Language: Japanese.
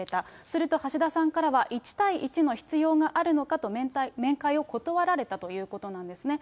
すると橋田さんからは、１対１の必要があるのかと、面会を断られたということなんですね。